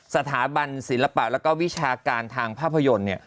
สถาบันศิลปะและวิชาการทางภาพยนตร์